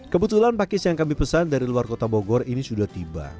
kebetulan pakis yang kami pesan dari luar kota bogor ini sudah tiba